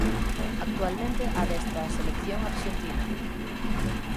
Actualmente adestra a selección arxentina.